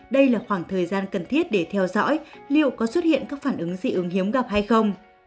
đây là khoảng thời gian cần thiết để theo dõi liệu có xuất hiện các phản ứng dị ứng hiếm gặp hay không